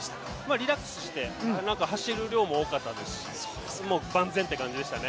リラックスして走る量も多かったですし、万全って感じでしたね。